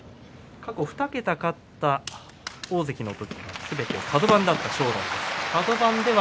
過去２桁勝った大関の時すべてカド番だった正代です。